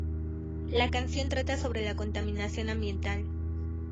La canción trata sobre la contaminación ambiental.